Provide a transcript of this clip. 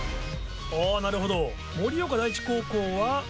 なるほど盛岡第一高校は？